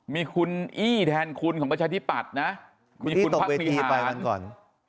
มีคุณอี่แทนคุณของประชาชีภัทธิ์นะขุมดี้ตกเวทีไปกันก่อน